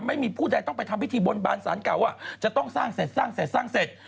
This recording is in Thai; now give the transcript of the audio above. ผู้ใดต้องไปทำพิธีบนบานสารเก่าว่าจะต้องสร้างเสร็จสร้างเสร็จสร้างเสร็จ